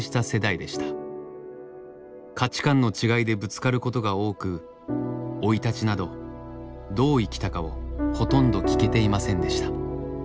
価値観の違いでぶつかることが多く生い立ちなどどう生きたかをほとんど聞けていませんでした。